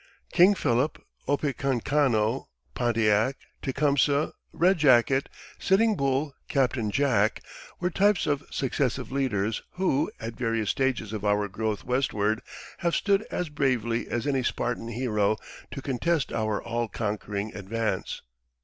King Philip, Opecancano, Pontiac, Tecumseh, Red Jacket, Sitting Bull, Captain Jack, were types of successive leaders who, at various stages of our growth westward, have stood as bravely as any Spartan hero to contest our all conquering advance.